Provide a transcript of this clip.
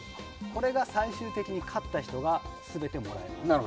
これは最終的に勝った人がすべてもらえます。